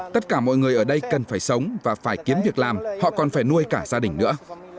tất cả mọi người ở đây cần phải sống và phải kiếm việc làm họ còn phải nuôi cả gia đình nữa